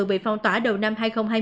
bị phong tỏa đầu năm hai nghìn hai mươi